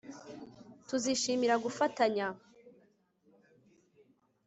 Tuzishimira gufatanya